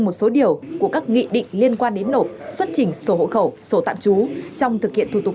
một số điều của các nghị định liên quan đến nộp xuất chỉnh số hộ khẩu số tạm trú trong thực